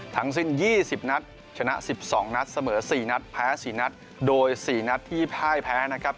ทั้งสิ้น๒๐นัดชนะ๑๒นัดเสมอ๔นัดแพ้๔นัดโดย๔นัดที่พ่ายแพ้นะครับ